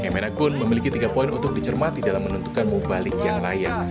kemena pun memiliki tiga poin untuk dicermati dalam menentukan mubalik yang layak